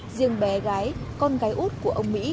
riêng bé gái con gái út của ông mỹ